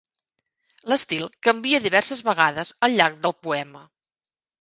L'estil canvia diverses vegades al llarg del poema.